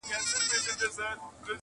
• هیلۍ وویل کشپه یوه چار سته -